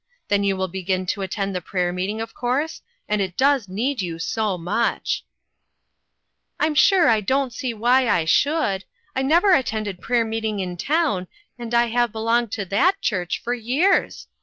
Then you will begin to attend the prayer meeting, of course, and it does need you so much !"" I'm sure I don't see why I should. I 6NE OF THE VICTIMS. 331 never attended prayer meeting in town, and I have belonged to that church for years.